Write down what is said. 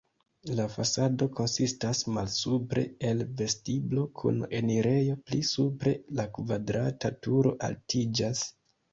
La fasado konsistas malsupre el vestiblo kun enirejo, pli supre la kvadrata turo altiĝas.